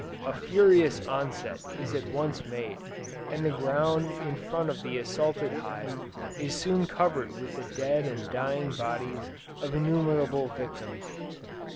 A furious onset is at once made, and the ground in front of the assaulted hive is soon covered with the dead and dying bodies of innumerable victims.